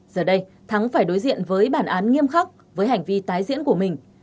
giờ đây thắng phải đối diện với bản án nghiêm khắc với hành vi tái diễn của mình